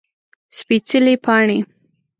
سپيڅلي پاڼې